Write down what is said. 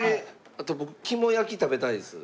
あと僕肝焼き食べたいです。